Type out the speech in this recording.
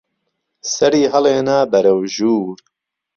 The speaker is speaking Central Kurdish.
سهری ههڵێنا بەره و ژوور